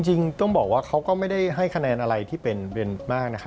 จริงต้องบอกว่าเขาก็ไม่ได้ให้คะแนนอะไรที่เป็นมากนะคะ